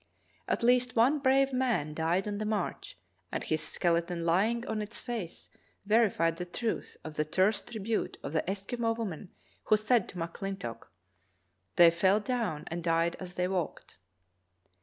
At least one brave man died on the march, and his skeleton lying on its face verified the truth of the terse tribute of the Eskimo woman who said to McCHntock: "They fell down and died as they walked.